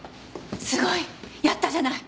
すごい！やったじゃない！